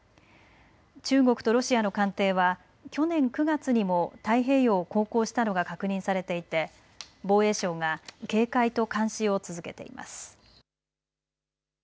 中国とロシアの艦艇は去年９月にも太平洋を航行したのが確認されていて防衛省が警戒と監視を続けています。